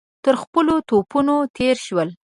تر خپلو توپونو تېر شول.